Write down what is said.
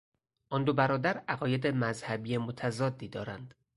آن دو برادر عقاید مذهبی متضادی دارند.